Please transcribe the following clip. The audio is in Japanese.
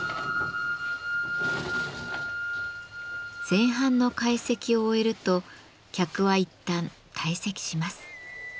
前半の懐石を終えると客はいったん退席します。